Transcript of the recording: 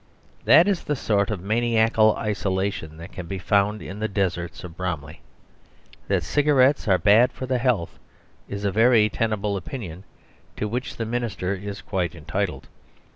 That is the sort of maniacal isolation that can be found in the deserts of Bromley. That cigarettes are bad for the health is a very tenable opinion to which the minister is quite entitled.